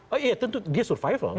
oh iya tentu dia survival